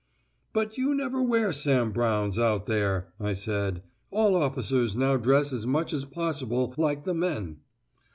"But you never wear Sam Brownes out there," I said: "all officers now dress as much as possible like the men."